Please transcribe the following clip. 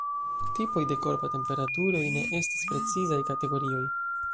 Tipoj de korpa temperaturoj ne estas precizaj kategorioj.